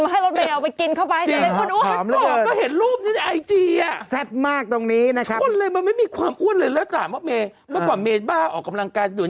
เมื่อกว่าเมศบ้าออกกำลังกายตอนนี้ไม่ได้ออกกำลังกายเลย